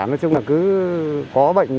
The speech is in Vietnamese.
nói chung là cứ có bệnh